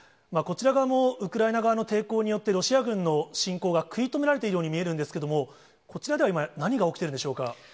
こちら側も、ウクライナ側の抵抗によって、ロシア軍の進攻が食い止められているように見えるんですけれども、こちらでは今、何が起きているんでしょうか。